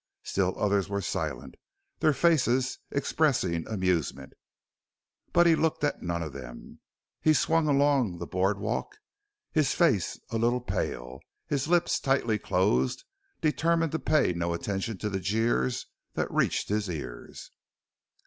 Still others were silent, their faces expressing amusement. But he looked at none of them. He swung along the board walk, his face a little pale, his lips tightly closed, determined to pay no attention to the jeers that reached his ears.